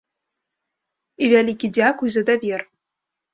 І вялікі дзякуй за давер!